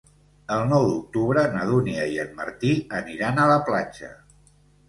El nou d'octubre na Dúnia i en Martí aniran a la platja.